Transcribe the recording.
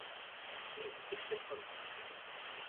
Please accept করো।